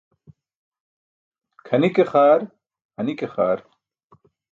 Kʰani ke xaar, hani ke xaar.